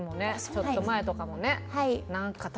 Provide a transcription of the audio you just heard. ちょっと前とかもね。